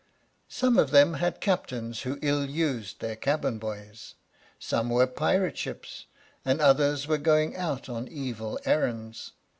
"Some of them had captains who ill used their cabin boys, some were pirate ships, and others were going out on evil errands.